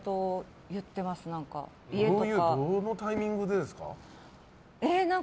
どのタイミングでですか？